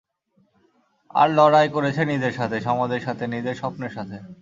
আর লড়াই করেছে নিজের সাথে, সমাজের সাথে, নিজের স্বপ্নের সাথে।